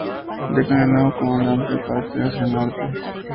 Ya con el nuevo comandante parte hacia el Norte.